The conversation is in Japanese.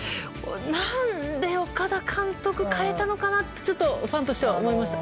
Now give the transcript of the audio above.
何で岡田監督、代えたのかなってちょっとファンとしては思いました。